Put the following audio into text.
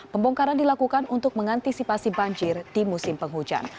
pembongkaran dilakukan untuk mengantisipasi banjir di musim penghujan